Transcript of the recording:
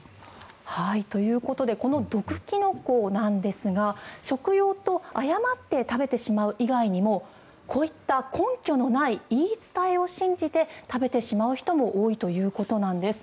ということでこの毒キノコなんですが食用と誤って食べてしまう以外にもこういった根拠のない言い伝えを信じて食べてしまう人も多いということなんです。